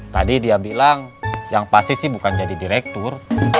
tadi dia bilang yang pasti sih bukan jadi direktur